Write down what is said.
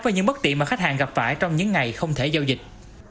với những bất tiện mà khách hàng gặp phải trong những ngày không thể giao dịch